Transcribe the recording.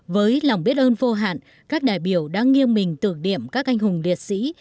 với lòng biết ơn vô hạn các đại biểu đang nghiêng mình tượng điểm các anh hùng liệt sĩ